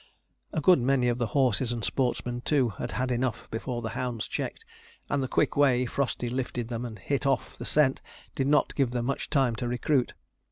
A good many of the horses and sportsmen too had had enough before the hounds checked; and the quick way Frosty lifted them and hit off the scent, did not give them much time to recruit.